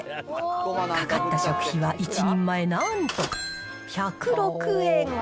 かかった食費は１人前なんと１０６円。